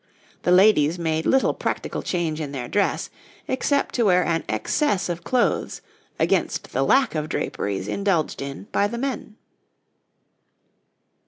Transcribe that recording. The ladies made little practical change in their dress, except to wear an excess of clothes against the lack of draperies indulged in by the men.